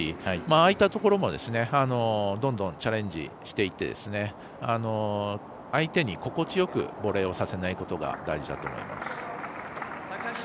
ああいったところもどんどんチャレンジしていって相手に心地よくボレーをさせないことが大事だと思います。